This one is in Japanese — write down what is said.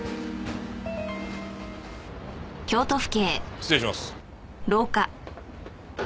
失礼します。